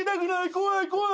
怖い怖い！